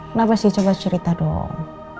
kenapa sih coba cerita dong